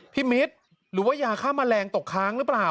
พี่มิดหรือว่ายากล้ามแมลงตกค้างรึเปล่า